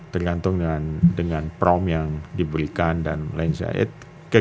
tergantung dengan from yang diberikan dan lain sebagainya